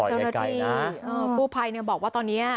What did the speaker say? จำหน้าที่กูภัยเนี่ยบอกว่าตอนนี้